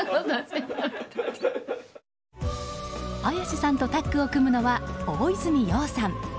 綾瀬さんとタッグを組むのは大泉洋さん。